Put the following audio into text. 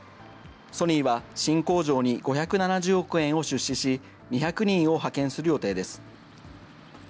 ソニーは、新工場に５７０億円を出資し、２００人を派遣する予定です。